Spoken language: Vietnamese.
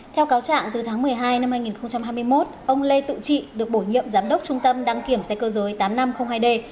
theo cáo trạng từ tháng một mươi hai năm hai nghìn hai mươi một ông lê tự trị được bổ nhiệm giám đốc trung tâm đăng kiểm xe cơ giới tám nghìn năm trăm linh hai d